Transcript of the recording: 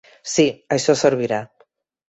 Sí, això servirà.